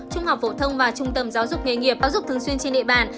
trung học phổ thông và trung tâm giáo dục nghề nghiệp giáo dục thường xuyên trên địa bàn